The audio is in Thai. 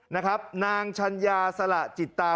นะครับนางชันยาสละจิตา